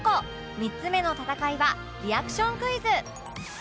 ３つ目の戦いはリアクションクイズ